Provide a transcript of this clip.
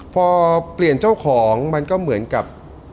พอเปลี่ยนเจ้าของมันก็เหมือนกับ